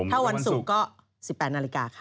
ถ้าวันศุกร์ก็๑๘นาฬิกาค่ะ